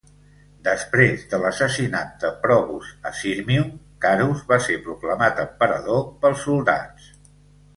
Després de l'assassinat de Probus a Sirmium, Carus va ser proclamat emperador pels soldats.